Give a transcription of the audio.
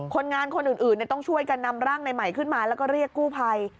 คนงานคนอื่นต้องช่วยกันนำร่างในใหม่ขึ้นมาแล้วก็เรียกกู้ภัย